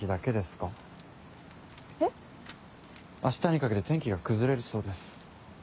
明日にかけて天気が崩れるそうです。